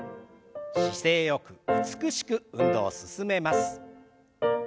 姿勢よく美しく運動を進めます。